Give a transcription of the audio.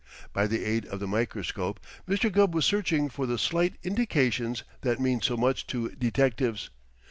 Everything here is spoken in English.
By the aid of the microscope, Mr. Gubb was searching for the slight indications that mean so much to detectives.